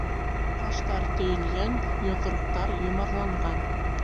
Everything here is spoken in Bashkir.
Ҡаштар төйөлгән, йоҙроҡтар йомарланған.